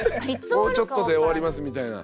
もうちょっとで終わりますみたいな。